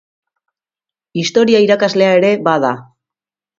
Historia irakaslea ere bada.